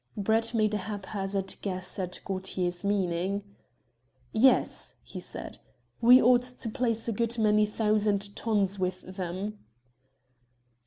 Brett made a haphazard guess at Gaultier's meaning. "Yes," he said, "we ought to place a good many thousand tons with them."